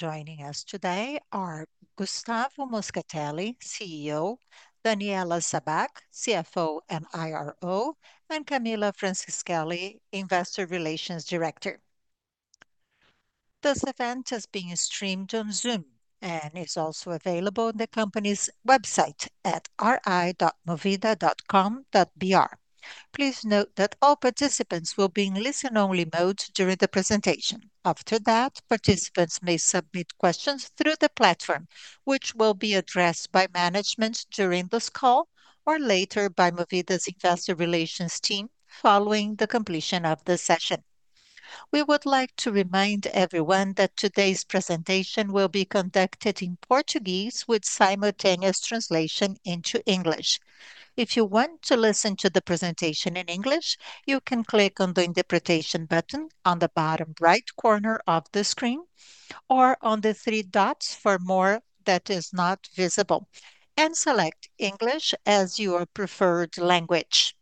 Joining us today are Gustavo Moscatelli, CEO, Daniela Sabbag, CFO and IRO, and Camilla Franceschelli, Investor Relations Director. This event is being streamed on Zoom and is also available on the company's website at ri.movida.com.br. Please note that all participants will be in listen-only mode during the presentation. After that, participants may submit questions through the platform, which will be addressed by management during this call or later by Movida's Investor Relations team following the completion of the session. We would like to remind everyone that today's presentation will be conducted in Portuguese with simultaneous translation into English. If you want to listen to the presentation in English, you can click on the Interpretation button on the bottom right corner of the screen, or on the three dots for more that is not visible, and select English as your preferred language.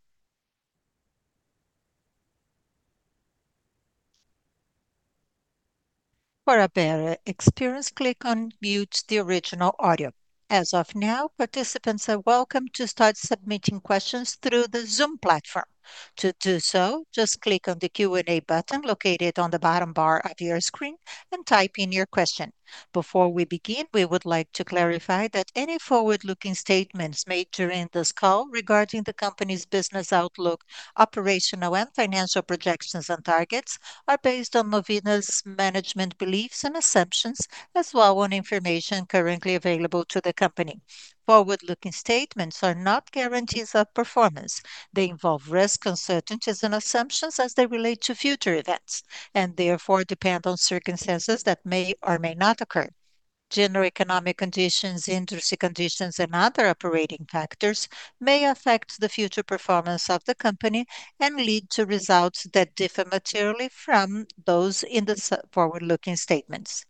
Before we begin, we would like to clarify that any forward-looking statements made during this call regarding the company's business outlook, operational and financial projections and targets are based on Movida's management beliefs and assumptions, as well on information currently available to the company. Forward-looking statements are not guarantees of performance. They involve risks, uncertainties and assumptions as they relate to future events, and therefore depend on circumstances that may or may not occur. General economic conditions, industry conditions and other operating factors may affect the future performance of the company and lead to results that differ materially from those in the forward-looking statements.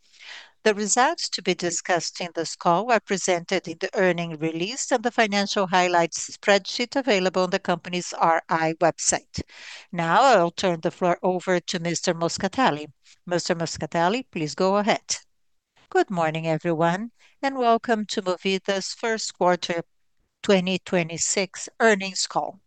The results to be discussed in this call are presented in the earnings release and the financial highlights spreadsheet available on the company's RI website. Now, I will turn the floor over to Mr. Moscatelli. Mr. Moscatelli, please go ahead. Good morning, everyone, and welcome to Movida's first quarter 2026 earnings call.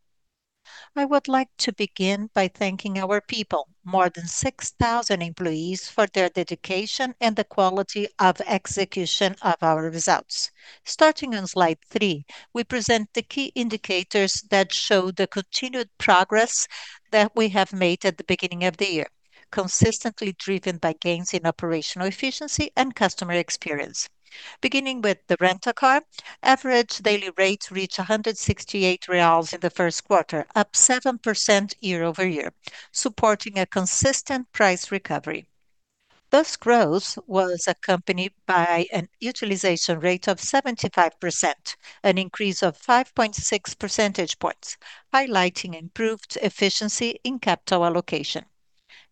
I would like to begin by thanking our people, more than 6,000 employees, for their dedication and the quality of execution of our results. Starting on slide three, we present the key indicators that show the continued progress that we have made at the beginning of the year, consistently driven by gains in operational efficiency and customer experience. Beginning with the Rent-a-Car, average daily rates reach 168 reais in the first quarter, up 7% year-over-year, supporting a consistent price recovery. This growth was accompanied by an utilization rate of 75%, an increase of 5.6 percentage points, highlighting improved efficiency in capital allocation.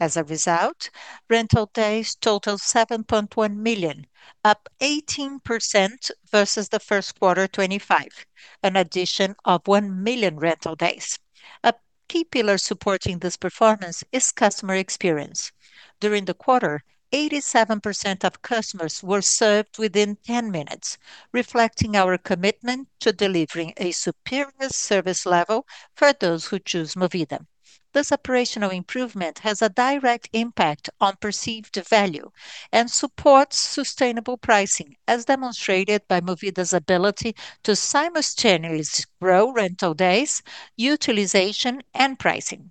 As a result, rental days totaled 7.1 million, up 18% versus the first quarter 2025, an addition of 1 million rental days. A key pillar supporting this performance is customer experience. During the quarter, 87% of customers were served within 10 minutes, reflecting our commitment to delivering a superior service level for those who choose Movida. This operational improvement has a direct impact on perceived value and supports sustainable pricing, as demonstrated by Movida's ability to simultaneously grow rental days, utilization and pricing.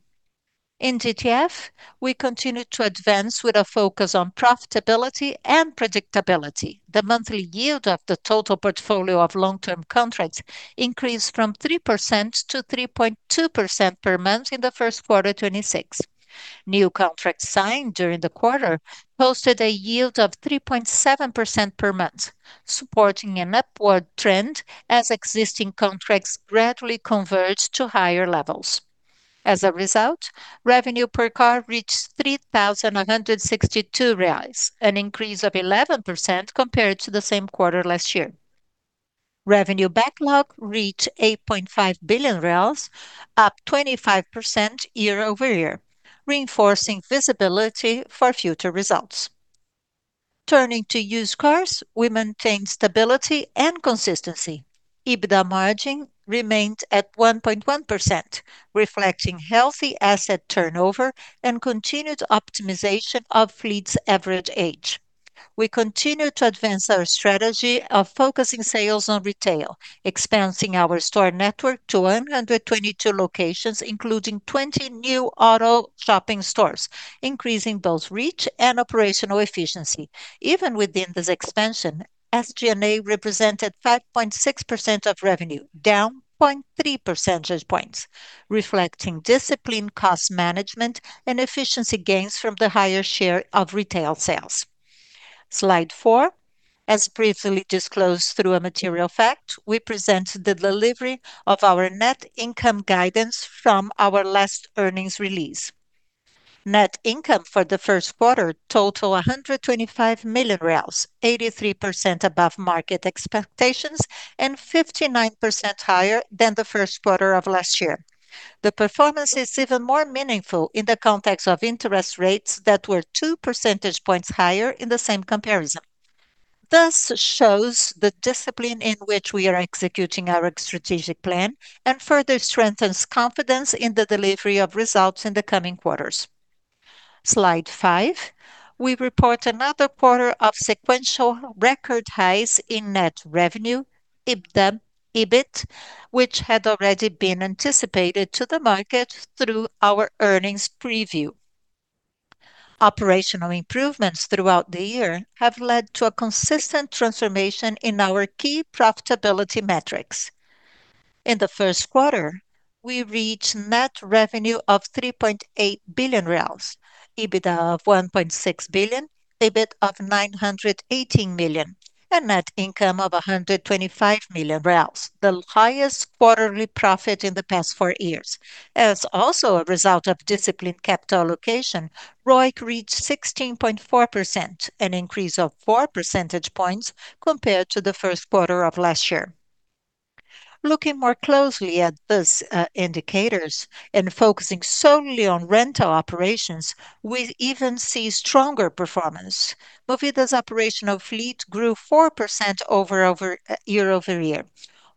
In GTF, we continue to advance with a focus on profitability and predictability. The monthly yield of the total portfolio of long-term contracts increased from 3% to 3.2% per month in the first quarter 2026. New contracts signed during the quarter posted a yield of 3.7% per month, supporting an upward trend as existing contracts gradually converge to higher levels. As a result, revenue per car reached 3,162 reais, an increase of 11% compared to the same quarter last year. Revenue backlog reached 8.5 billion reais, up 25% year-over-year, reinforcing visibility for future results. Turning to used cars, we maintain stability and consistency. EBITDA margin remained at 1.1%, reflecting healthy asset turnover and continued optimization of fleet's average age. We continue to advance our strategy of focusing sales on retail, expanding our store network to 122 locations, including 20 new Auto Shopping stores, increasing both reach and operational efficiency. Even within this expansion, SG&A represented 5.6% of revenue, down 0.3 percentage points, reflecting disciplined cost management and efficiency gains from the higher share of retail sales. Slide four. As briefly disclosed through a material fact, we present the delivery of our net income guidance from our last earnings release. Net income for the first quarter totaled 125 million reais, 83% above market expectations and 59% higher than the first quarter of last year. The performance is even more meaningful in the context of interest rates that were two percentage points higher in the same comparison. Thus shows the discipline in which we are executing our strategic plan, and further strengthens confidence in the delivery of results in the coming quarters. Slide five, we report another quarter of sequential record highs in net revenue, EBITDA, EBIT, which had already been anticipated to the market through our earnings preview. Operational improvements throughout the year have led to a consistent transformation in our key profitability metrics. In the first quarter, we reached net revenue of 3.8 billion reais, EBITDA of 1.6 billion, EBIT of 918 million, and net income of 125 million reais, the highest quarterly profit in the past four years. As also a result of disciplined capital allocation, ROIC reached 16.4%, an increase of four percentage points compared to the first quarter of last year. Looking more closely at these indicators and focusing solely on rental operations, we even see stronger performance. Movida's operational fleet grew 4% over year-over-year,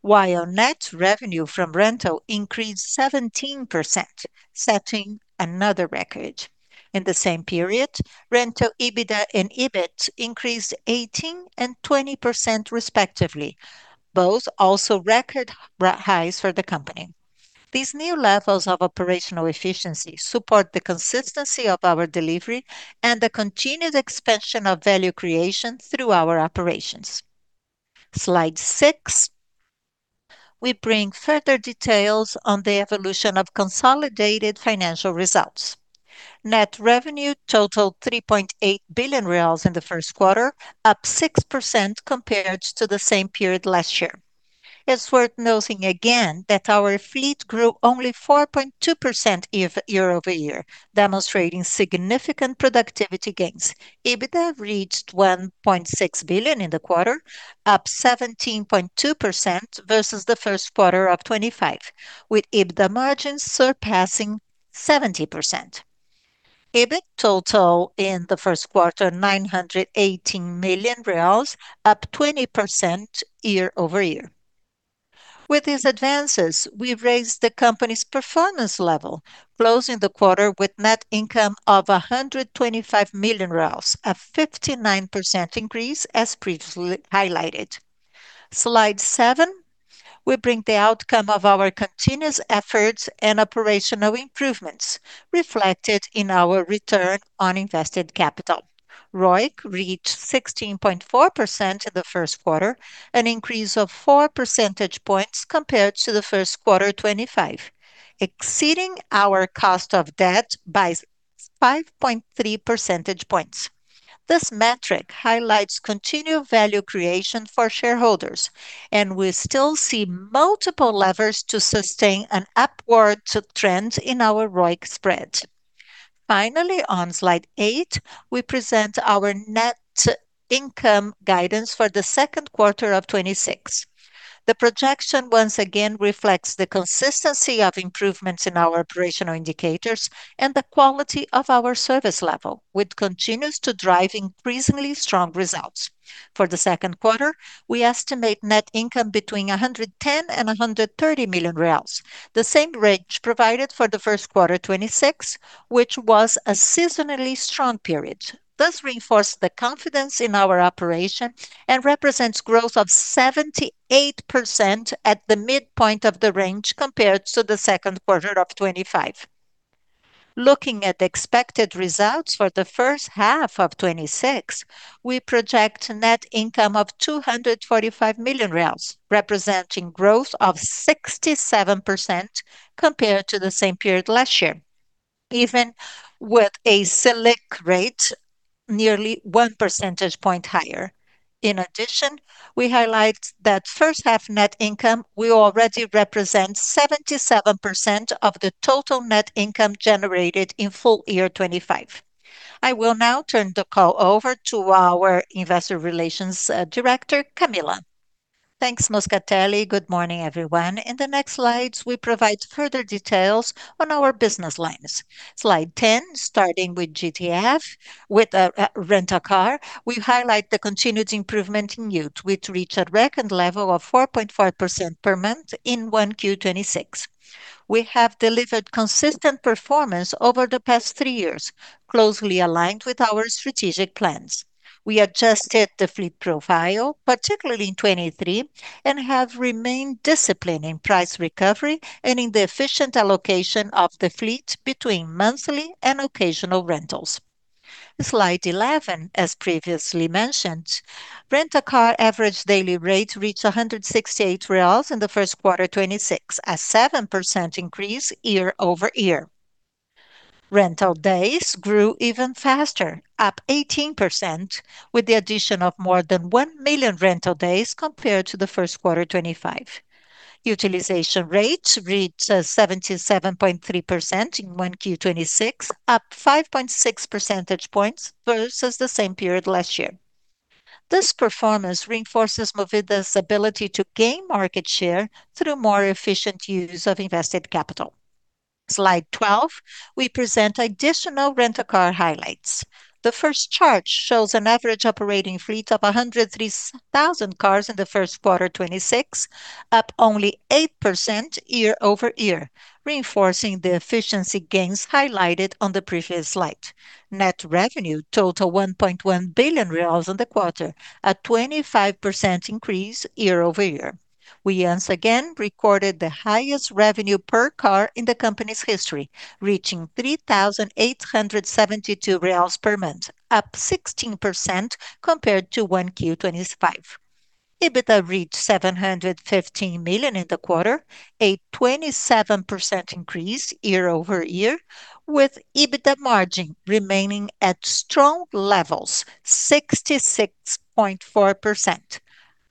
while net revenue from rental increased 17%, setting another record. In the same period, rental EBITDA and EBIT increased 18% and 20% respectively, both also record highs for the company. These new levels of operational efficiency support the consistency of our delivery and the continued expansion of value creation through our operations. Slide 6, we bring further details on the evolution of consolidated financial results. Net revenue totaled 3.8 billion reais in the first quarter, up 6% compared to the same period last year. It's worth noting again that our fleet grew only 4.2% year-over-year, demonstrating significant productivity gains. EBITDA reached 1.6 billion in the quarter, up 17.2% versus the first quarter of 2025, with EBITDA margins surpassing 70%. EBIT totaled in the first quarter, 918 million reais, up 20% year-over-year. With these advances, we've raised the company's performance level, closing the quarter with net income of BRL 125 million, a 59% increase as previously highlighted. Slide seven, we bring the outcome of our continuous efforts and operational improvements reflected in our return on invested capital. ROIC reached 16.4% in the first quarter, an increase of four percentage points compared to the first quarter 2025, exceeding our cost of debt by 5.3 percentage points. This metric highlights continued value creation for shareholders, we still see multiple levers to sustain an upward trend in our ROIC spread. Finally, on Slide eight, we present our net income guidance for the second quarter of 2026. The projection once again reflects the consistency of improvements in our operational indicators and the quality of our service level, which continues to drive increasingly strong results. For the second quarter, we estimate net income between 110 million and 130 million reais, the same range provided for the first quarter 2026, which was a seasonally strong period. Thus reinforce the confidence in our operation and represents growth of 78% at the midpoint of the range compared to the second quarter of 2025. Looking at the expected results for the first half of 2026, we project net income of 245 million reais, representing growth of 67% compared to the same period last year, even with a Selic rate nearly one percentage point higher. In addition, we highlight that first half net income will already represent 77% of the total net income generated in full year 2025. I will now turn the call over to our Investor Relations Director, Camilla. Thanks, Moscatelli. Good morning, everyone. In the next slides, we provide further details on our business lines. Slide 10, starting with GTF. With Rent a Car, we highlight the continued improvement in yield, which reached a record level of 4.5% per month in 1Q 2026. We have delivered consistent performance over the past three years, closely aligned with our strategic plans. We adjusted the fleet profile, particularly in 2023, and have remained disciplined in price recovery and in the efficient allocation of the fleet between monthly and occasional rentals. Slide 11, as previously mentioned, Rent a Car average daily rate reached 168 reais in the first quarter 2026, a 7% increase year-over-year. Rental days grew even faster, up 18%, with the addition of more than 1 million rental days compared to the first quarter 2025. Utilization rates reached 77.3% in 1Q 2026, up 5.6 percentage points versus the same period last year. This performance reinforces Movida's ability to gain market share through more efficient use of invested capital. Slide 12, we present additional Rent-a-Car highlights. The first chart shows an average operating fleet of 103,000 cars in the first quarter 2026, up only 8% year-over-year, reinforcing the efficiency gains highlighted on the previous slide. Net revenue total 1.1 billion reais in the quarter, a 25% increase year-over-year. We once again recorded the highest revenue per car in the company's history, reaching 3,872 reais per month, up 16% compared to 1Q 2025. EBITDA reached 715 million in the quarter, a 27% increase year-over-year, with EBITDA margin remaining at strong levels, 66.4%,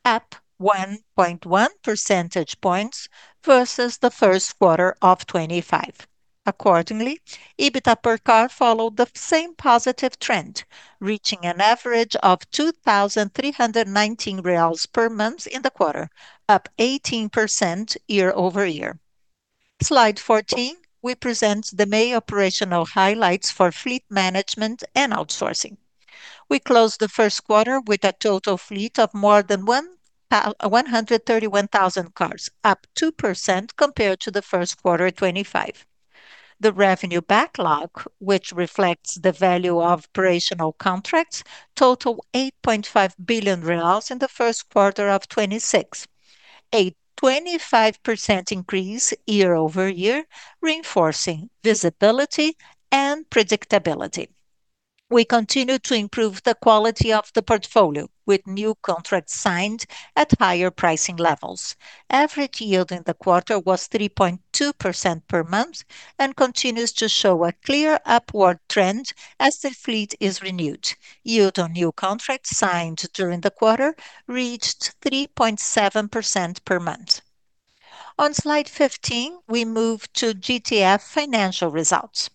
up 1.1 percentage points versus the first quarter of 2025. Accordingly, EBITDA per car followed the same positive trend, reaching an average of 2,319 reais per month in the quarter, up 18% year-over-year. Slide 14, we present the main operational highlights for fleet management and outsourcing. We closed the first quarter with a total fleet of more than 131,000 cars, up 2% compared to the first quarter 2025. The revenue backlog, which reflects the value of operational contracts, total 8.5 billion reais in the first quarter of 2026, a 25% increase year-over-year, reinforcing visibility and predictability. We continue to improve the quality of the portfolio with new contracts signed at higher pricing levels. Average yield in the quarter was 3.2% per month and continues to show a clear upward trend as the fleet is renewed. Yield on new contracts signed during the quarter reached 3.7% per month. On Slide 15, we move to GTF financial results.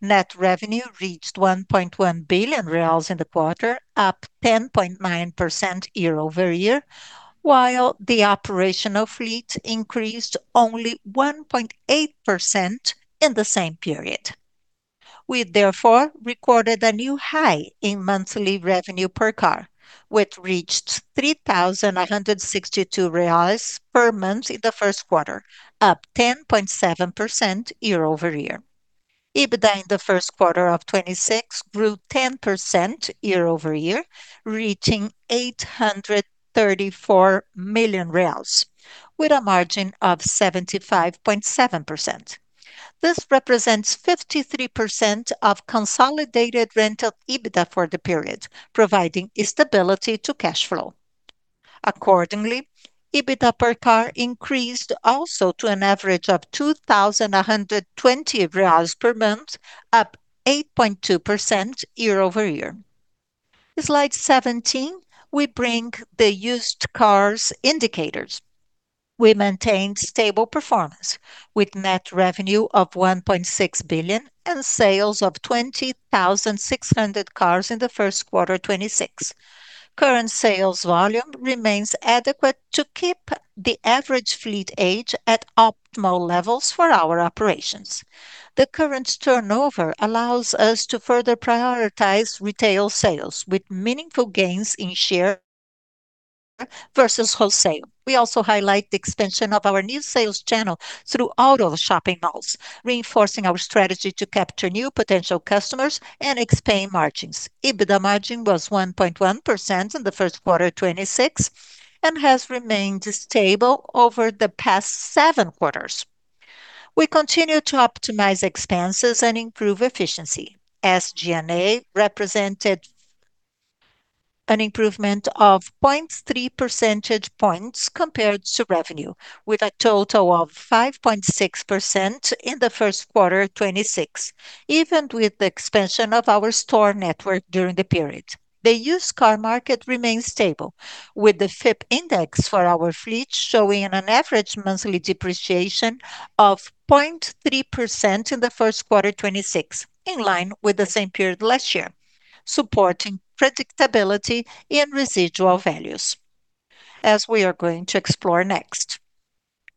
Net revenue reached 1.1 billion reais in the quarter, up 10.9% year-over-year, while the operational fleet increased only 1.8% in the same period. We therefore recorded a new high in monthly revenue per car, which reached 3,162 reais per month in the first quarter, up 10.7% year-over-year. EBITDA in the first quarter of 2026 grew 10% year-over-year, reaching 834 million reais with a margin of 75.7%. This represents 53% of consolidated rental EBITDA for the period, providing stability to cash flow. EBITDA per car increased also to an average of BRL 2,120 per month, up 8.2% year-over-year. Slide 17, we bring the used cars indicators. We maintained stable performance with net revenue of 1.6 billion and sales of 20,600 cars in the first quarter 2026. Current sales volume remains adequate to keep the average fleet age at optimal levels for our operations. The current turnover allows us to further prioritize retail sales with meaningful gains in share versus wholesale. We also highlight the expansion of our new sales channel through Auto Shopping malls, reinforcing our strategy to capture new potential customers and expand margins. EBITDA margin was 1.1% in the first quarter 2026 and has remained stable over the past seven quarters. We continue to optimize expenses and improve efficiency. SG&A represented an improvement of 0.3 percentage points compared to revenue, with a total of 5.6% in the first quarter 2026, even with the expansion of our store network during the period. The used car market remains stable, with the FIPE Index for our fleet showing an average monthly depreciation of 0.3% in the first quarter 2026, in line with the same period last year, supporting predictability in residual values, as we are going to explore next.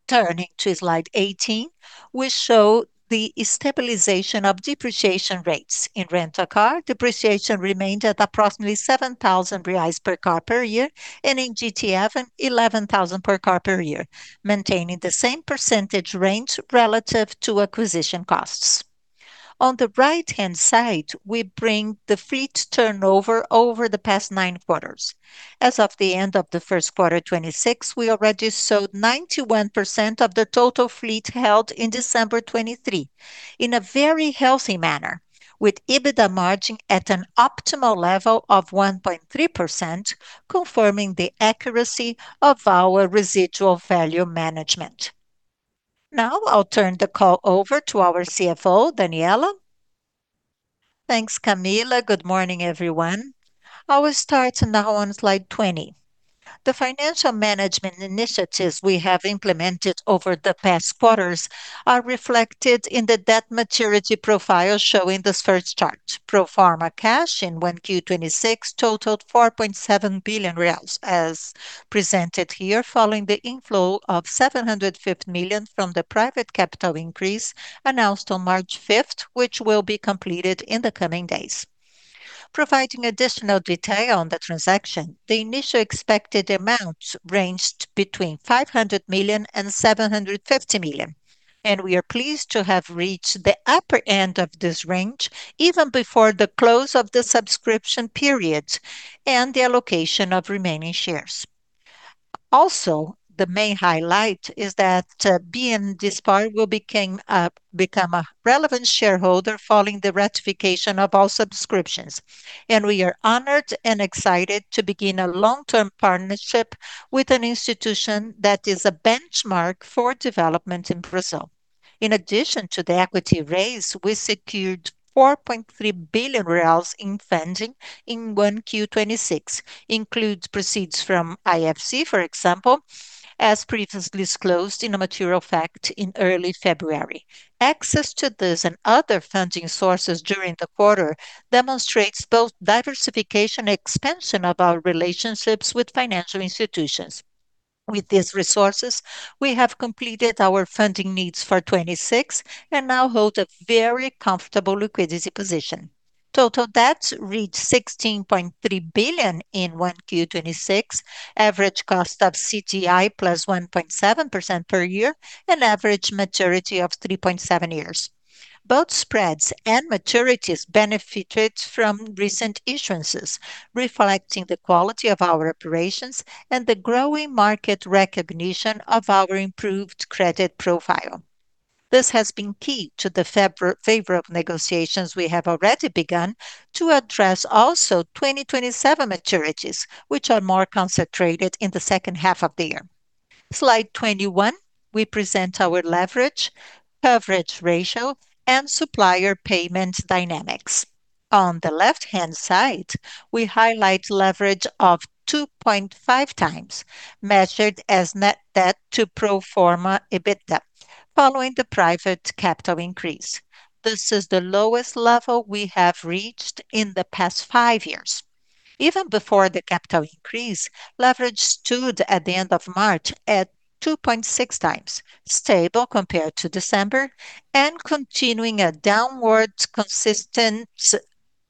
Turning to slide 18, we show the stabilization of depreciation rates. In Rent-a-Car, depreciation remained at approximately 7,000 reais per car per year, and in GTF, 11,000 per car per year, maintaining the same percentage range relative to acquisition costs. On the right-hand side, we bring the fleet turnover over the past nine quarters. As of the end of the first quarter 2026, we already sold 91% of the total fleet held in December 2023 in a very healthy manner, with EBITDA margin at an optimal level of 1.3%, confirming the accuracy of our residual value management. Now, I'll turn the call over to our CFO, Daniela. Thanks, Camilla. Good morning, everyone. I will start now on slide 20. The financial management initiatives we have implemented over the past quarters are reflected in the debt maturity profile shown in this first chart. Pro forma cash in 1Q26 totaled 4.7 billion reais, as presented here, following the inflow of 750 million from the private capital increase announced on March 5th, which will be completed in the coming days. Providing additional detail on the transaction, the initial expected amount ranged between 500 million and 750 million, and we are pleased to have reached the upper end of this range even before the close of the subscription period, and the allocation of remaining shares. Also, the main highlight is that BNDESPAR will become a relevant shareholder following the ratification of all subscriptions, and we are honored and excited to begin a long-term partnership with an institution that is a benchmark for development in Brazil. In addition to the equity raise, we secured 4.3 billion reais in funding in 1Q 2026. Includes proceeds from IFC, for example, as previously disclosed in a material fact in early February. Access to this and other funding sources during the quarter demonstrates both diversification expansion of our relationships with financial institutions. With these resources, we have completed our funding needs for 2026, and now hold a very comfortable liquidity position. Total debt reached 16.3 billion in 1Q 2026. Average cost of CDI plus 1.7% per year, and average maturity of 3.7 years. Both spreads and maturities benefited from recent issuances, reflecting the quality of our operations and the growing market recognition of our improved credit profile. This has been key to the favor of negotiations we have already begun to address also 2027 maturities, which are more concentrated in the second half of the year. Slide 21, we present our leverage, coverage ratio, and supplier payment dynamics. On the left-hand side, we highlight leverage of 2.5 times, measured as net debt to pro forma EBITDA following the private capital increase. This is the lowest level we have reached in the past five years. Even before the capital increase, leverage stood at the end of March at 2.6 times, stable compared to December, and continuing a downward consistent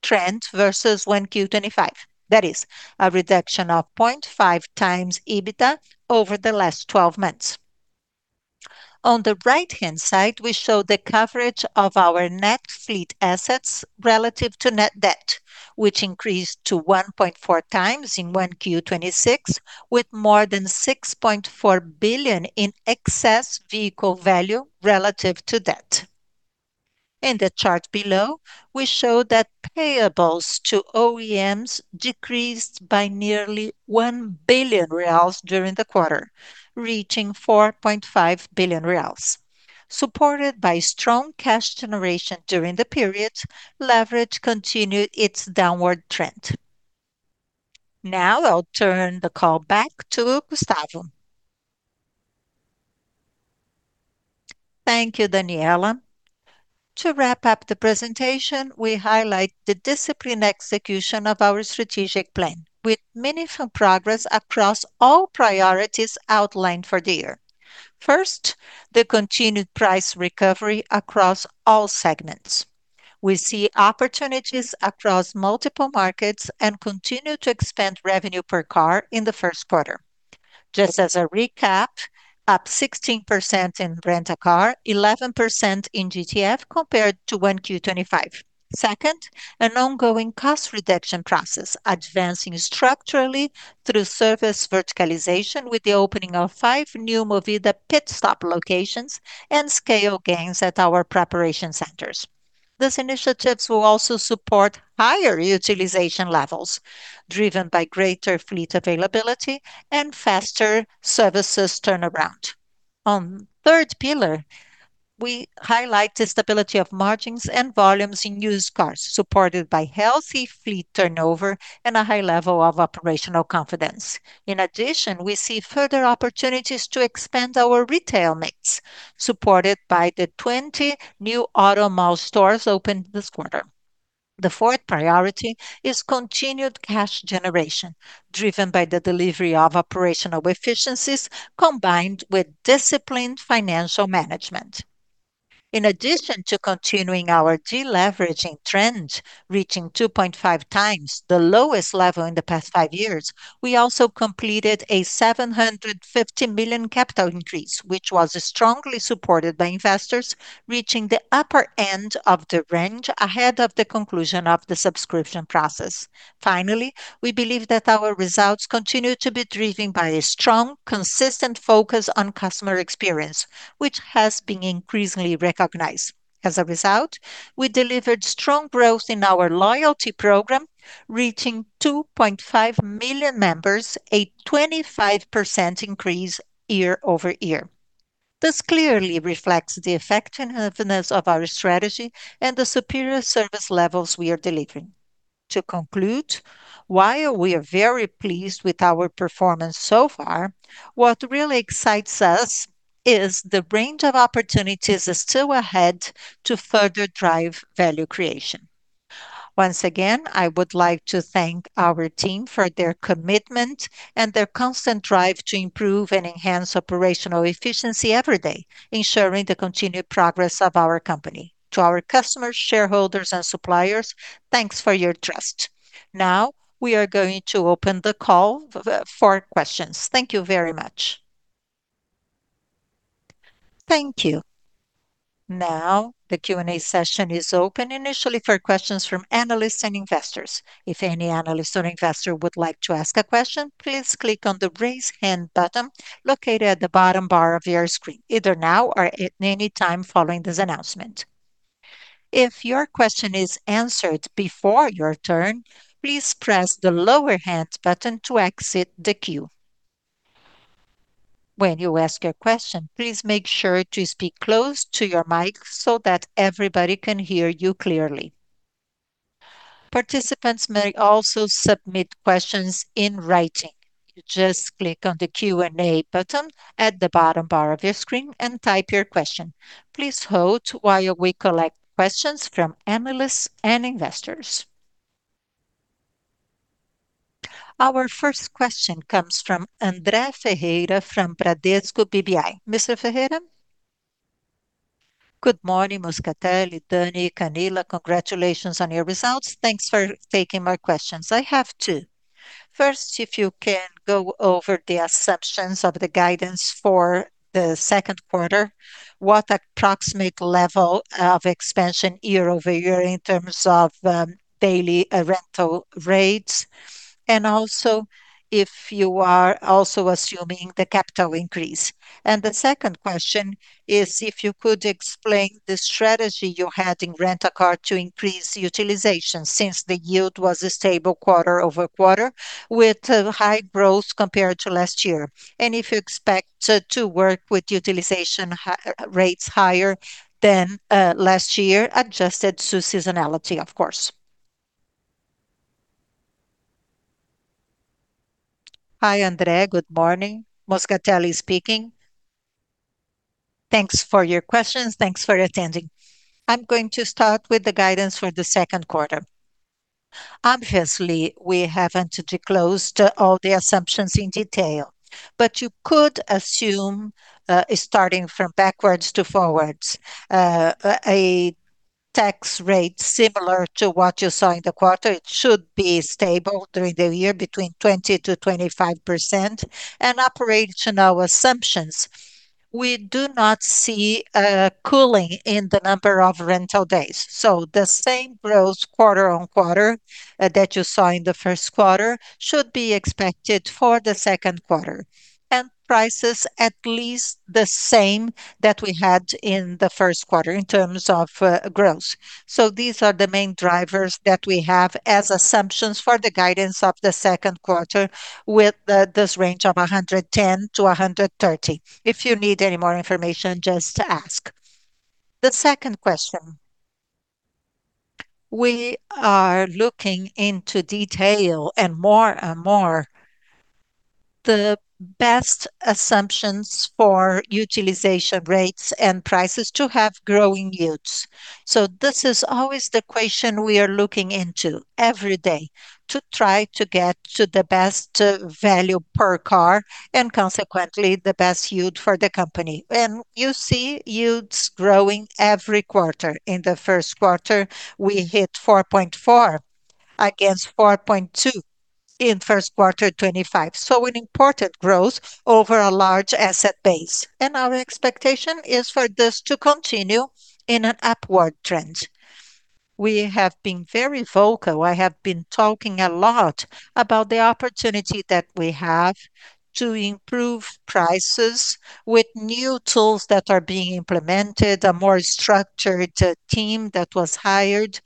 trend versus 1Q 2025. That is a reduction of 0.5 times EBITDA over the last 12 months. On the right-hand side, we show the coverage of our net fleet assets relative to net debt, which increased to 1.4 times in 1Q 2026, with more than 6.4 billion in excess vehicle value relative to debt. In the chart below, we show that payables to OEMs decreased by nearly 1 billion reais during the quarter, reaching 4.5 billion reais. Supported by strong cash generation during the period, leverage continued its downward trend. Now I'll turn the call back to Gustavo. Thank you, Daniela. To wrap up the presentation, we highlight the disciplined execution of our strategic plan with meaningful progress across all priorities outlined for the year. First, the continued price recovery across all segments. We see opportunities across multiple markets and continue to expand revenue per car in the first quarter. Just as a recap, up 16% in Rent-a-Car, 11% in GTF compared to 1Q 2025. Second, an ongoing cost reduction process advancing structurally through service verticalization with the opening of five new Movida Pit Stop locations and scale gains at our preparation centers. These initiatives will also support higher utilization levels, driven by greater fleet availability and faster services turnaround. Third pillar, we highlight the stability of margins and volumes in used cars, supported by healthy fleet turnover and a high level of operational confidence. In addition, we see further opportunities to expand our retail mix, supported by the 20 new Auto Shopping stores opened this quarter. The fourth priority is continued cash generation, driven by the delivery of operational efficiencies combined with disciplined financial management. In addition to continuing our deleveraging trend, reaching 2.5x the lowest level in the past five years, we also completed a 750 million capital increase, which was strongly supported by investors reaching the upper end of the range ahead of the conclusion of the subscription process. Finally, we believe that our results continue to be driven by a strong, consistent focus on customer experience, which has been increasingly recognized. As a result, we delivered strong growth in our loyalty program, reaching 2.5 million members, a 25% increase year-over-year. This clearly reflects the effectiveness of our strategy and the superior service levels we are delivering. To conclude, while we are very pleased with our performance so far, what really excites us is the range of opportunities still ahead to further drive value creation. Once again, I would like to thank our team for their commitment and their constant drive to improve and enhance operational efficiency every day, ensuring the continued progress of our company. To our customers, shareholders, and suppliers, thanks for your trust. Now we are going to open the call for questions. Thank you very much. Thank you. Now the Q&A session is open initially for questions from analysts and investors. If any analyst or investor would like to ask a question, please click on the Raise Hand button located at the bottom bar of your screen, either now or at any time following this announcement. If your question is answered before your turn, please press the Lower Hand button to exit the queue. When you ask your question, please make sure to speak close to your mic so that everybody can hear you clearly. Participants may also submit questions in writing. You just click on the Q&A button at the bottom bar of your screen and type your question. Please hold while we collect questions from analysts and investors. Our first question comes from André Ferreira from Bradesco BBI. Mr. Ferreira? Good morning, Moscatelli, Dani, Camilla Franceschelli. Congratulations on your results. Thanks for taking my questions. I have two. First, if you can go over the assumptions of the guidance for the second quarter, what approximate level of expansion year-over-year in terms of daily rental rates? Also if you are also assuming the capital increase. The second question is if you could explain the strategy you had in Rent-a-Car to increase utilization since the yield was a stable quarter-over-quarter with high growth compared to last year. If you expect to work with utilization rates higher than last year, adjusted to seasonality, of course. Hi, André. Good morning. Moscatelli speaking. Thanks for your questions. Thanks for attending. I'm going to start with the guidance for the second quarter. Obviously, we haven't disclosed all the assumptions in detail, but you could assume, starting from backwards to forwards, a tax rate similar to what you saw in the quarter. It should be stable during the year, between 20%-25%, and operational assumptions. We do not see a cooling in the number of rental days, the same growth quarter-over-quarter that you saw in the first quarter should be expected for the second quarter. Prices at least the same that we had in the first quarter in terms of growth. These are the main drivers that we have as assumptions for the guidance of the second quarter with this range of 110 to 130. If you need any more information, just ask. The second question. We are looking into detail and more and more the best assumptions for utilization rates and prices to have growing yields. This is always the equation we are looking into every day to try to get to the best value per car, and consequently, the best yield for the company. You see yields growing every quarter. In the first quarter, we hit 4.4 against 4.2 in first quarter 2025, so an important growth over a large asset base, and our expectation is for this to continue in an upward trend. We have been very vocal. I have been talking a lot about the opportunity that we have to improve prices with new tools that are being implemented, a more structured team that was hired.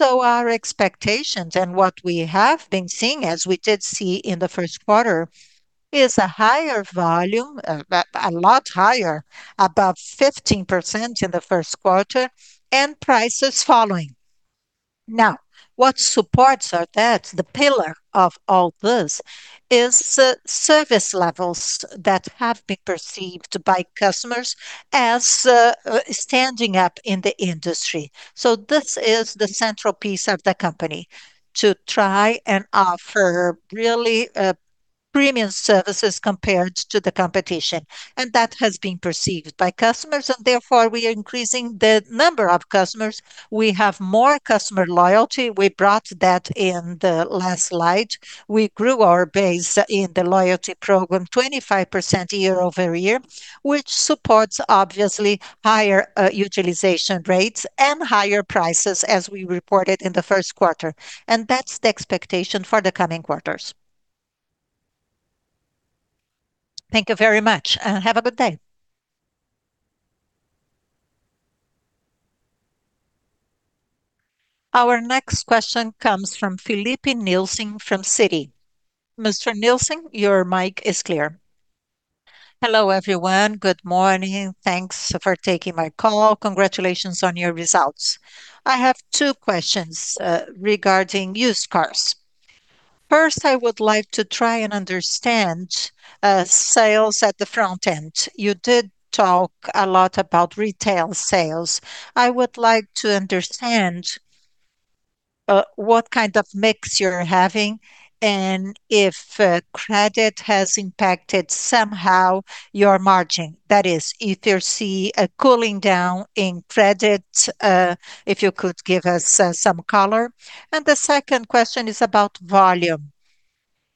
Our expectations and what we have been seeing, as we did see in the first quarter, is a higher volume, a lot higher, about 15% in the first quarter, and prices following. What supports are that? The pillar of all this is service levels that have been perceived by customers as standing up in the industry. This is the central piece of the company, to try and offer really premium services compared to the competition, and that has been perceived by customers. Therefore, we are increasing the number of customers. We have more customer loyalty. We brought that in the last slide. We grew our base in the loyalty program 25% year-over-year, which supports, obviously, higher utilization rates and higher prices as we reported in the first quarter, and that's the expectation for the coming quarters. Thank you very much. Have a good day. Our next question comes from Filipe Nielsen from Citi. Mr. Nielsen, your mic is clear. Hello, everyone. Good morning. Thanks for taking my call. Congratulations on your results. I have two questions regarding used cars. First, I would like to try and understand sales at the front end. You did talk a lot about retail sales. I would like to understand what kind of mix you're having and if credit has impacted somehow your margin. That is, if you see a cooling down in credit, if you could give us some color. The second question is about volume.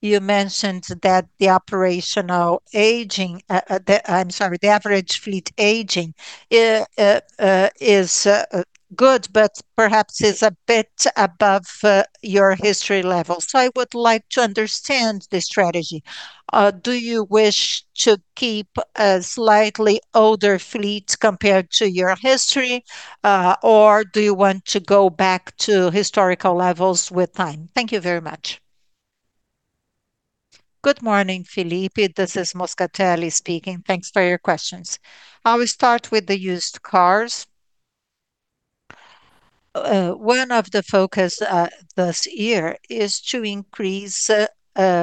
You mentioned that the operational aging, the average fleet aging is good but perhaps is a bit above your history levels. I would like to understand the strategy. Do you wish to keep a slightly older fleet compared to your history or do you want to go back to historical levels with time? Thank you very much. Good morning, Filipe. This is Moscatelli speaking. Thanks for your questions. I will start with the used cars. One of the focus this year is to increase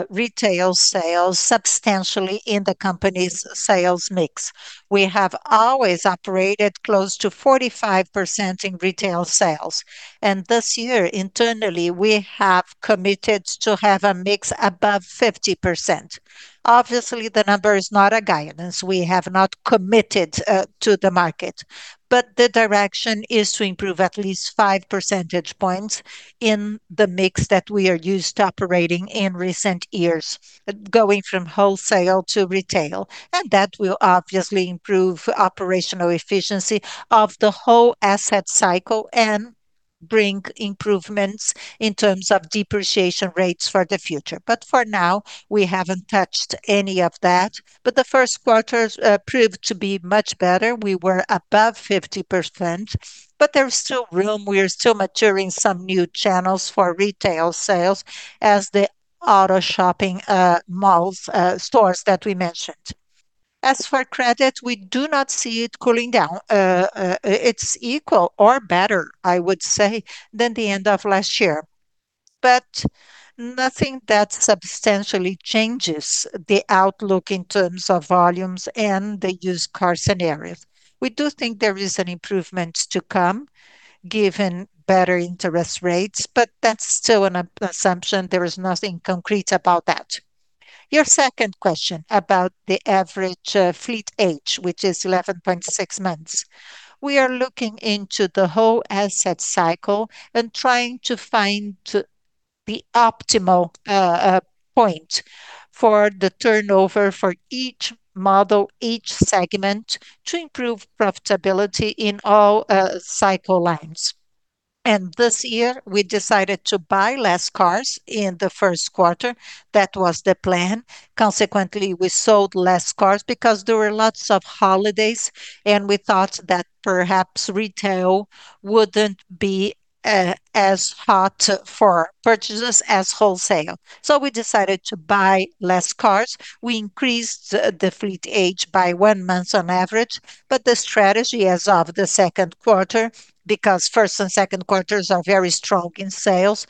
retail sales substantially in the company's sales mix. We have always operated close to 45% in retail sales and this year internally we have committed to have a mix above 50%. Obviously, the number is not a guidance. We have not committed to the market. The direction is to improve at least five percentage points in the mix that we are used to operating in recent years, going from wholesale to retail, and that will obviously improve operational efficiency of the whole asset cycle and bring improvements in terms of depreciation rates for the future. For now, we haven't touched any of that. The first quarter proved to be much better. We were above 50%, but there's still room. We're still maturing some new channels for retail sales as the Auto Shopping malls, stores that we mentioned. As for credit, we do not see it cooling down. It's equal or better, I would say, than the end of last year. Nothing that substantially changes the outlook in terms of volumes and the used car scenario. We do think there is an improvement to come given better interest rates, but that's still an as-assumption. There is nothing concrete about that. Your second question about the average fleet age, which is 11.6 months. We are looking into the whole asset cycle and trying to find the optimal point for the turnover for each model, each segment to improve profitability in all cycle lines. This year we decided to buy less cars in the first quarter. That was the plan. Consequently, we sold less cars because there were lots of holidays, and we thought that perhaps retail wouldn't be as hot for purchases as wholesale. We decided to buy less cars. We increased the fleet age by one month on average, but the strategy as of the second quarter, because first and second quarters are very strong in sales,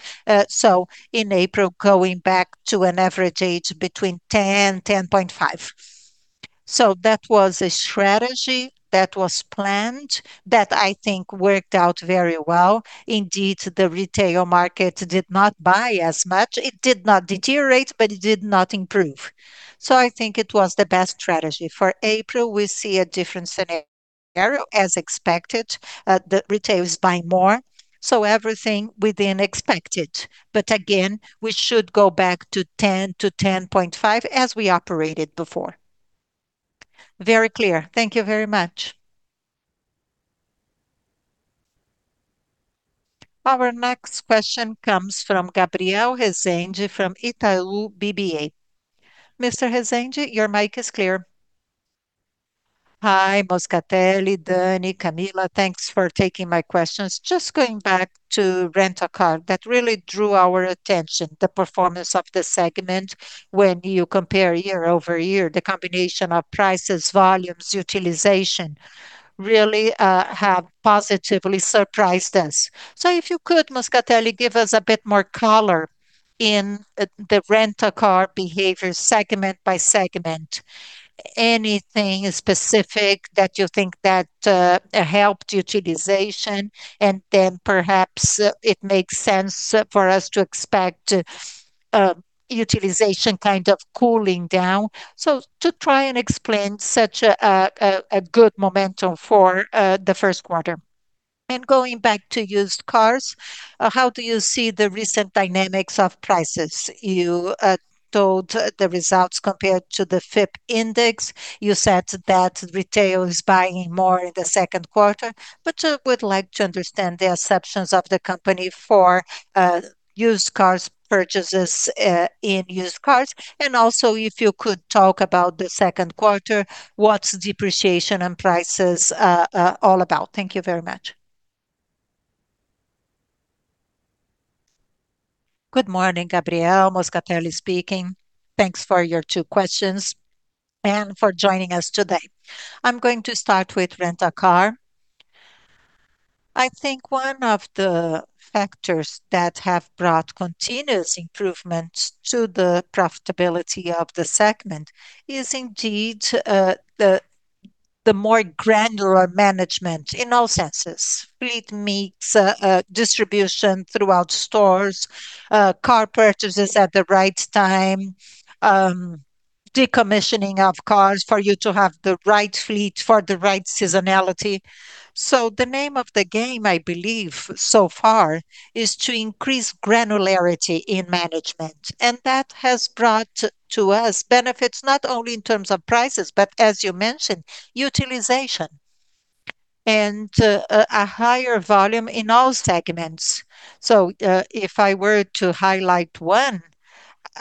in April going back to an average age between 10.5. That was a strategy that was planned that I think worked out very well. Indeed, the retail market did not buy as much. It did not deteriorate, but it did not improve. I think it was the best strategy. For April, we see a different scenario. As expected, the retail is buying more, everything within expected. Again, we should go back to 10 to 10.5 as we operated before. Very clear. Thank you very much. Our next question comes from Gabriel Rezende from Itaú BBA. Mr. Rezende, your mic is clear. Hi, Moscatelli, Dani, Camilla. Thanks for taking my questions. Just going back to Rent-a-Car, that really drew our attention, the performance of the segment when you compare year-over-year. The combination of prices, volumes, utilization really have positively surprised us. If you could, Moscatelli, give us a bit more color in the Rent-a-Car behavior segment by segment. Anything specific that you think that helped utilization, perhaps it makes sense for us to expect utilization kind of cooling down. To try and explain such a good momentum for the first quarter. Going back to used cars, how do you see the recent dynamics of prices? You told the results compared to the FIPE Index. You said that retail is buying more in the second quarter. I would like to understand the assumptions of the company for used cars purchases, in used cars. If you could talk about the second quarter, what's depreciation and prices all about? Thank you very much. Good morning, Gabriel. Moscatelli speaking. Thanks for your two questions and for joining us today. I'm going to start with Rent-a-Car. I think one of the factors that have brought continuous improvements to the profitability of the segment is indeed the more granular management in all senses. Fleet mix, distribution throughout stores, car purchases at the right time, decommissioning of cars for you to have the right fleet for the right seasonality. The name of the game, I believe so far, is to increase granularity in management, and that has brought to us benefits, not only in terms of prices, but as you mentioned, utilization and a higher volume in all segments. If I were to highlight one,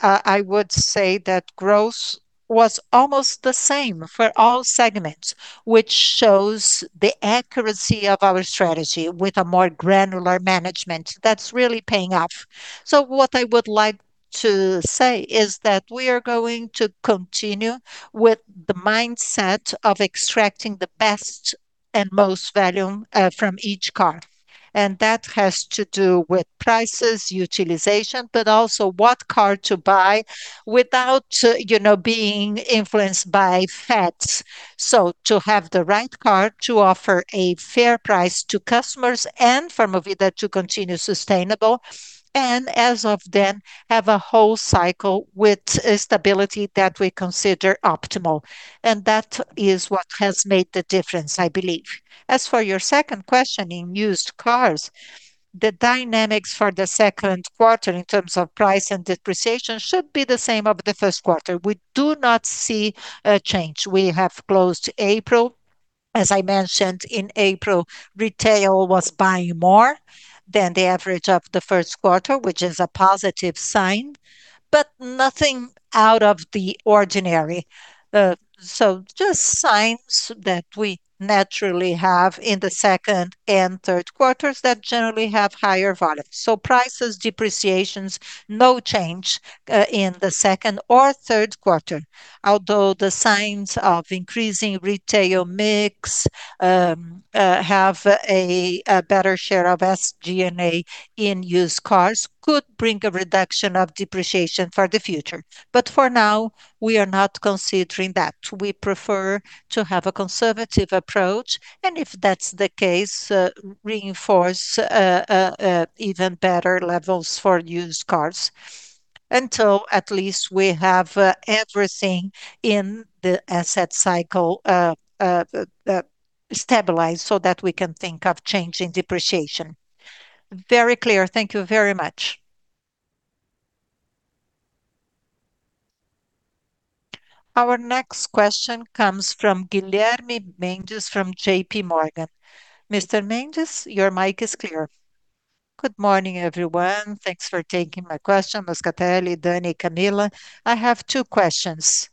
I would say that growth was almost the same for all segments, which shows the accuracy of our strategy with a more granular management that's really paying off. What I would like to say is that we are going to continue with the mindset of extracting the best and most value from each car, and that has to do with prices, utilization, but also what car to buy without, you know, being influenced by fads. To have the right car to offer a fair price to customers and for Movida to continue sustainable, and as of then, have a whole cycle with a stability that we consider optimal. That is what has made the difference, I believe. As for your second question in used cars, the dynamics for the second quarter in terms of price and depreciation should be the same of the first quarter. We do not see a change. We have closed April. As I mentioned, in April, retail was buying more than the average of the first quarter, which is a positive sign, but nothing out of the ordinary. Just signs that we naturally have in the second and third quarters that generally have higher volumes. Prices, depreciations, no change in the second or third quarter. Although the signs of increasing retail mix, have a better share of SG&A in used cars could bring a reduction of depreciation for the future. For now, we are not considering that. We prefer to have a conservative approach, if that's the case, reinforce even better levels for used cars until at least we have everything in the asset cycle stabilized so that we can think of changing depreciation. Very clear. Thank you very much. Our next question comes from Guilherme Mendes from JPMorgan. Mr. Mendes, your mic is clear. Good morning, everyone. Thanks for taking my question. Moscatelli, Dani, Camilla. I have two questions.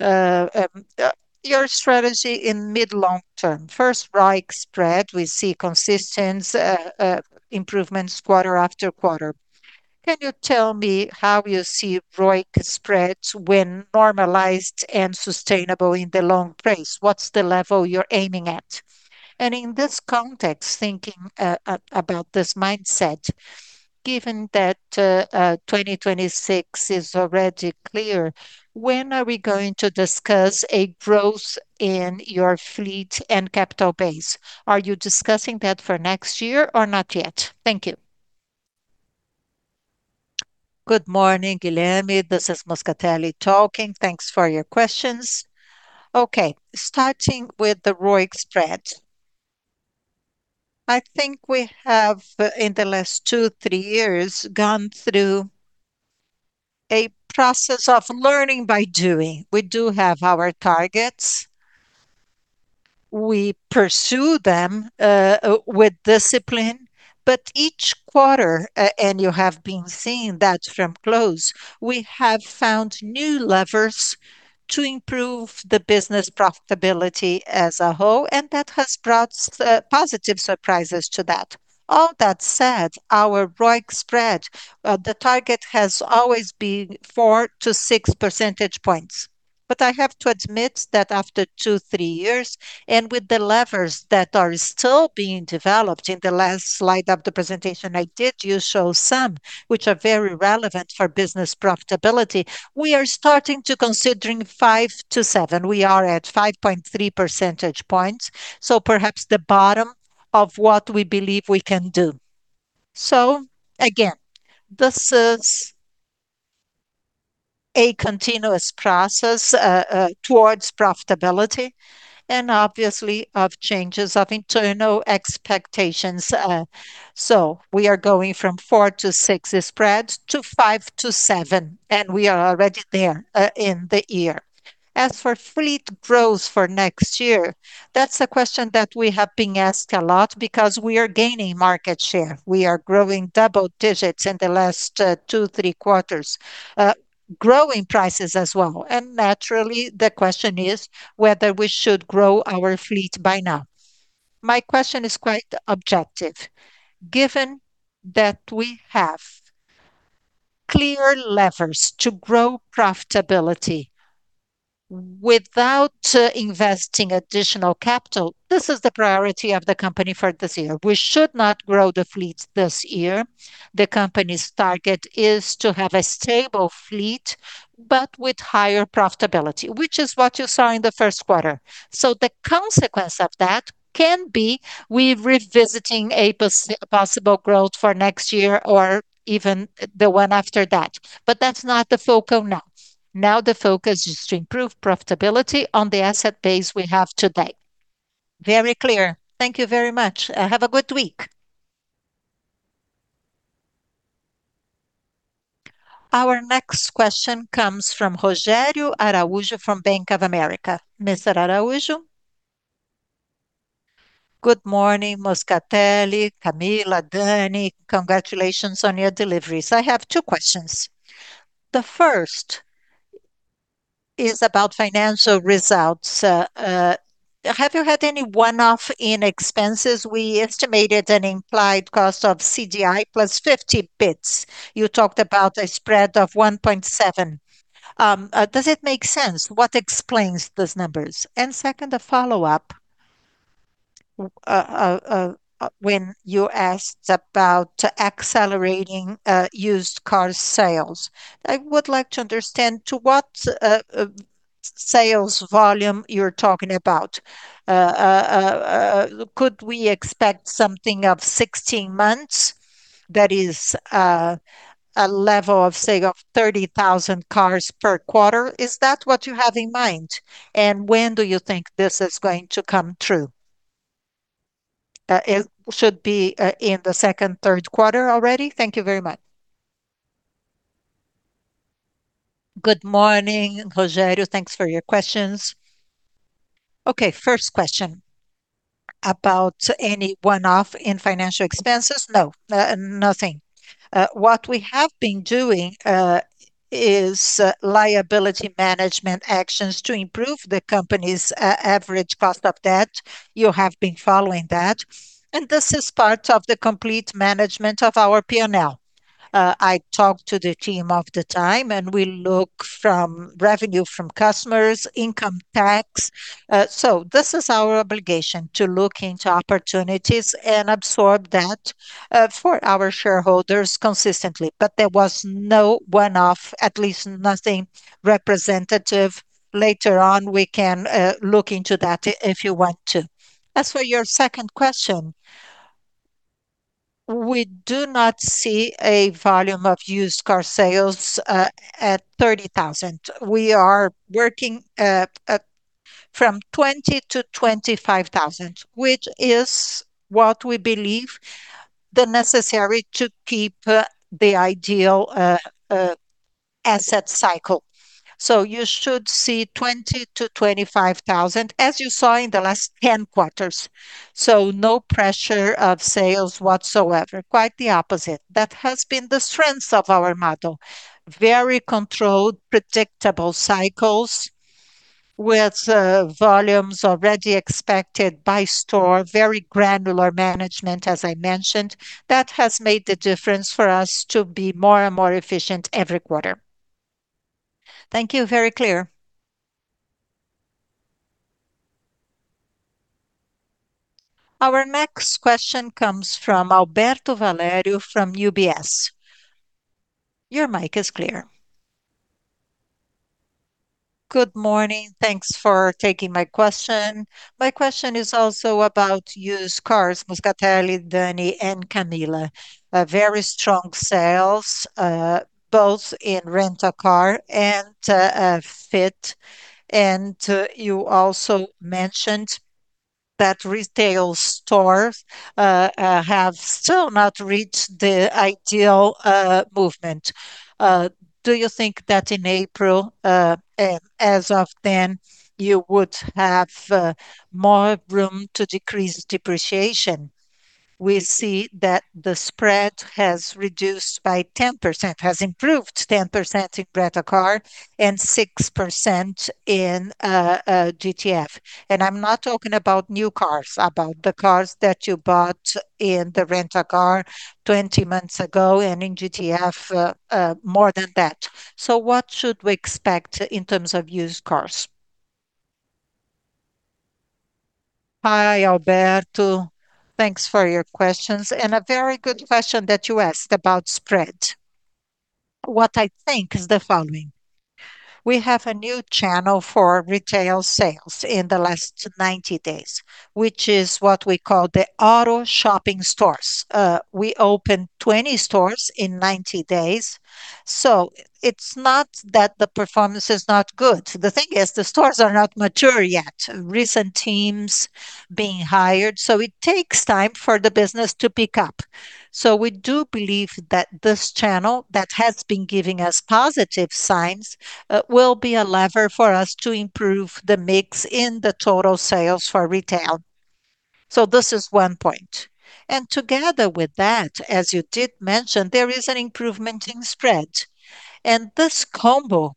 Your strategy in mid long-term. First, ROIC spread, we see consistent improvements quarter after quarter. Can you tell me how you see ROIC spread when normalized and sustainable in the long phase? What's the level you're aiming at? In this context, thinking about this mindset, given that 2026 is already clear, when are we going to discuss a growth in your fleet and capital base? Are you discussing that for next year or not yet? Thank you. Good morning, Guilherme. This is Moscatelli talking. Thanks for your questions. Starting with the ROIC spread. I think we have, in the last two, three years, gone through a process of learning by doing. We do have our targets. We pursue them with discipline. Each quarter, and you have been seeing that from close, we have found new levers to improve the business profitability as a whole, and that has brought positive surprises to that. All that said, our ROIC spread, the target has always been four to six percentage points. I have to admit that after two, three years, and with the levers that are still being developed, in the last slide of the presentation I did you show some which are very relevant for business profitability, we are starting to considering five to seven. We are at 5.3 percentage points, perhaps the bottom of what we believe we can do. Again, this is a continuous process towards profitability and obviously of changes of internal expectations. We are going from four to six spread to five to seven, and we are already there in the year. As for fleet growth for next year, that's a question that we have been asked a lot because we are gaining market share. We are growing double digits in the last two, three quarters. Growing prices as well. Naturally, the question is whether we should grow our fleet by now. My question is quite objective. Given that we have clear levers to grow profitability without investing additional capital, this is the priority of the company for this year. We should not grow the fleet this year. The company's target is to have a stable fleet, but with higher profitability, which is what you saw in the first quarter. The consequence of that can be we revisiting a possible growth for next year or even the one after that. That's not the focal now. Now the focus is to improve profitability on the asset base we have today. Very clear. Thank you very much. Have a good week. Our next question comes from Rogerio Araujo from Bank of America. Mr. Araujo. Good morning, Moscatelli, Camilla, Dani. Congratulations on your deliveries. I have two questions. The first is about financial results. Have you had any one-off in expenses? We estimated an implied cost of CDI plus 50 basis points. You talked about a spread of 1.7. Does it make sense? What explains those numbers? Second, a follow-up. When you asked about accelerating used car sales, I would like to understand to what sales volume you're talking about. Could we expect something of 16 months, that is, a level of, say, of 30,000 cars per quarter? Is that what you have in mind? When do you think this is going to come through? It should be in the second, third quarter already. Thank you very much. Good morning, Rogerio. Thanks for your questions. First question about any one-off in financial expenses. No. Nothing. What we have been doing is liability management actions to improve the company's average cost of debt. You have been following that, and this is part of the complete management of our P&L. I talked to the team of the time, and we look from revenue from customers, income tax. This is our obligation to look into opportunities and absorb that for our shareholders consistently, but there was no one-off, at least nothing representative. Later on, we can look into that if you want to. As for your second question, we do not see a volume of used car sales at 30,000. We are working from 20,000 to 25,000, which is what we believe the necessary to keep the ideal asset cycle. You should see 20,000 to 25,000, as you saw in the last 10 quarters. No pressure of sales whatsoever. Quite the opposite. That has been the strength of our model. Very controlled, predictable cycles with volumes already expected by store. Very granular management, as I mentioned. That has made the difference for us to be more and more efficient every quarter. Thank you. Very clear. Our next question comes from Alberto Valerio from UBS. Your mic is clear. Good morning. Thanks for taking my question. My question is also about used cars, Moscatelli, Dani and Camilla. A very strong sales both in Rent-a-Car and fleet. You also mentioned that retail stores have still not reached the ideal movement. Do you think that in April, as of then, you would have more room to decrease depreciation? We see that the spread has reduced by 10%, has improved 10% in Rent-a-Car and 6% in GTF. I'm not talking about new cars, about the cars that you bought in the Rent-a-Car 20 months ago and in GTF, more than that. What should we expect in terms of used cars? Hi, Alberto. Thanks for your questions. A very good question that you asked about spread. What I think is the following. We have a new channel for retail sales in the last 90 days, which is what we call the Auto Shopping stores. We opened 20 stores in 90 days. It's not that the performance is not good. The thing is the stores are not mature yet. Recent teams being hired, it takes time for the business to pick up. We do believe that this channel that has been giving us positive signs, will be a lever for us to improve the mix in the total sales for retail. This is one point. Together with that, as you did mention, there is an improvement in spread. This combo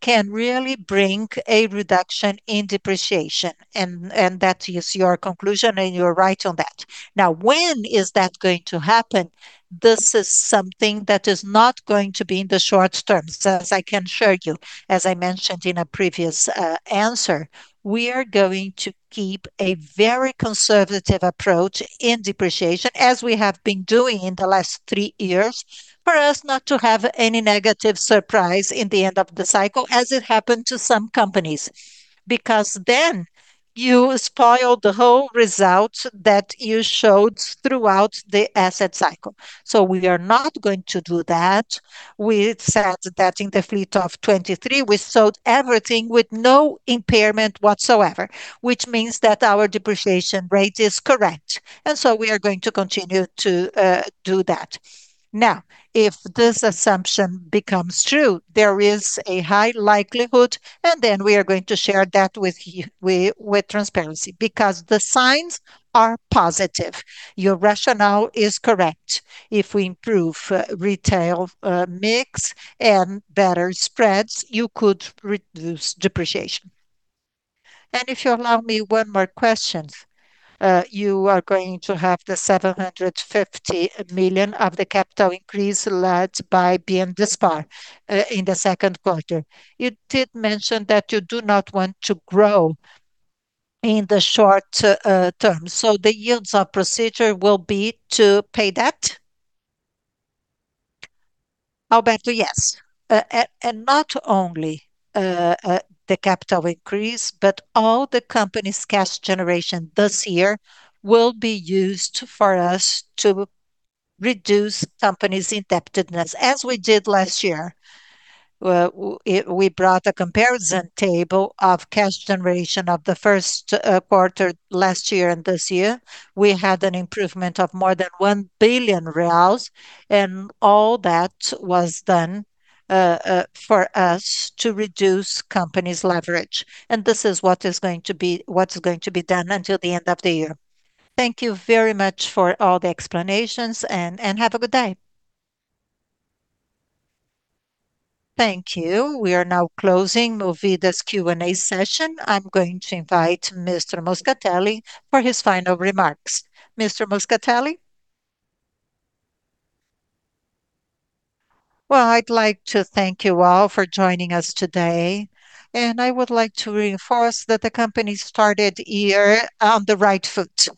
can really bring a reduction in depreciation, and that is your conclusion, and you're right on that. Now, when is that going to happen? This is something that is not going to be in the short term, as I can assure you. As I mentioned in a previous answer, we are going to keep a very conservative approach in depreciation, as we have been doing in the last three years, for us not to have any negative surprise in the end of the cycle as it happened to some companies. You spoil the whole result that you showed throughout the asset cycle. We are not going to do that. We said that in the fleet of 2023. We sold everything with no impairment whatsoever, which means that our depreciation rate is correct. We are going to continue to do that. If this assumption becomes true, there is a high likelihood, and then we are going to share that with transparency because the signs are positive. Your rationale is correct. If we improve retail mix and better spreads, you could reduce depreciation. If you allow me one more question. You are going to have the 750 million of the capital increase led by BM&FBOVESPA in the second quarter. You did mention that you do not want to grow in the short term, so the yields of procedure will be to pay debt? Alberto, yes. Not only the capital increase, but all the company's cash generation this year will be used for us to reduce company's indebtedness, as we did last year. We brought a comparison table of cash generation of the first quarter last year and this year. We had an improvement of more than 1 billion reais, all that was done for us to reduce company's leverage. This is what's going to be done until the end of the year. Thank you very much for all the explanations and have a good day. Thank you. We are now closing Movida's Q&A session. I'm going to invite Mr. Moscatelli for his final remarks. Mr. Moscatelli. I'd like to thank you all for joining us today, and I would like to reinforce that the company started the year on the right foot.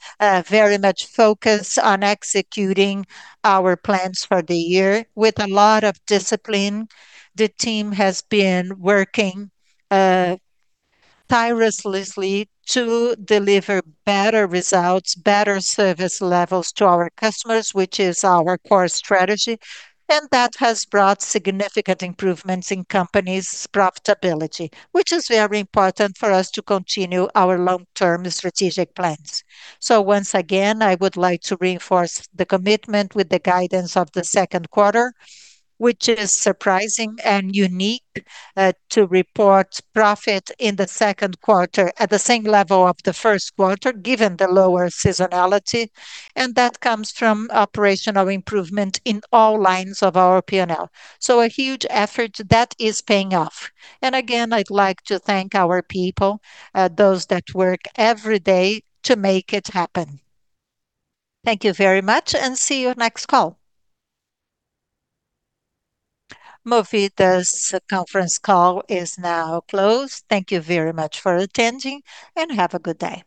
Very much focused on executing our plans for the year with a lot of discipline. The team has been working tirelessly to deliver better results, better service levels to our customers, which is our core strategy. That has brought significant improvements in company's profitability, which is very important for us to continue our long-term strategic plans. Once again, I would like to reinforce the commitment with the guidance of the second quarter, which is surprising and unique, to report profit in the second quarter at the same level of the first quarter given the lower seasonality, and that comes from operational improvement in all lines of our P&L. A huge effort that is paying off. Again, I'd like to thank our people, those that work every day to make it happen. Thank you very much and see you next call. Movida's conference call is now closed. Thank you very much for attending and have a good day.